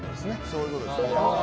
そういうことっすね。